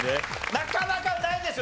なかなかないですよ。